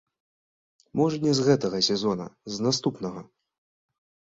Можа не з гэтага сезона, з наступнага.